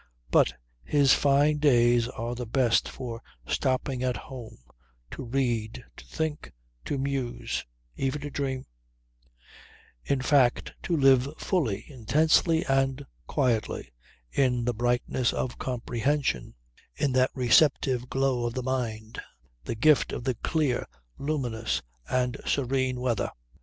But his fine days are the best for stopping at home, to read, to think, to muse even to dream; in fact to live fully, intensely and quietly, in the brightness of comprehension, in that receptive glow of the mind, the gift of the clear, luminous and serene weather.